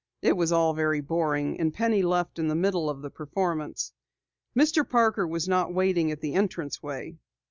It was all very boring, and Penny left in the middle of the performance. Mr. Parker was not waiting at the entrance way.